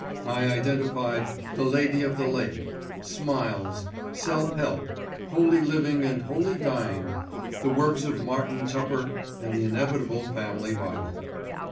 I identified "The Lady of the Lake," Smiles, "Self Help," "Holy Living and Holy Dying," the works of Martin Tupper, and the inevitable family bible.